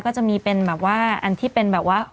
ก็จะมีเป็นแบบว่าอันที่เป็นแบบว่า